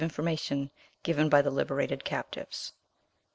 information given by the liberated captives.